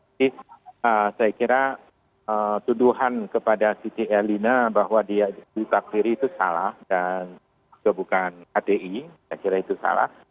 jadi saya kira tuduhan kepada siti elina bahwa dia jadi takfiri itu salah dan itu bukan hdi saya kira itu salah